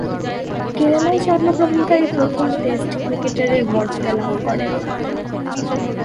কেরালায় জন্মগ্রহণকারী প্রথম টেস্ট ক্রিকেটারের মর্যাদা লাভ করেন।